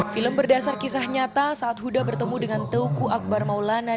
film berdasar kisah nyata saat huda bertemu dengan teku akbar maulana